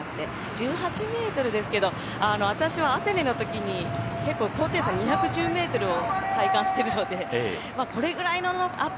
１８ｍですけど私はアテネの時に結構高低差２１０ｍを体感してるのでこれぐらいのアップ